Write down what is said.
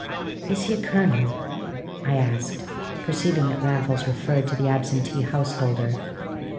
"Is he a colonel?" I asked, perceiving that Raffles referred to the absentee householder.